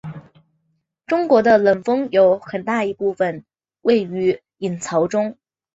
中国的冷锋有很大一部分位于隐槽中。